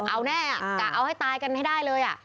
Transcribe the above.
เอาแน่กะเอาให้ตายกันให้ได้เลย